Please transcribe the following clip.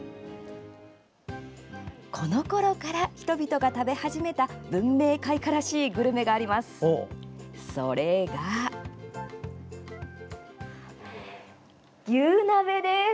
このころから人々が食べ始めた文明開化らしいグルメがあります。